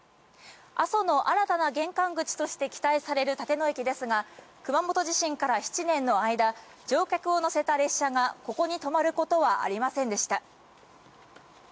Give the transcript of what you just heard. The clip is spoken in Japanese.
阿蘇の新たな玄関口として期待される立野駅ですが、熊本地震から７年の間、乗客を乗せた列車が、ここに止まることはありませんでした。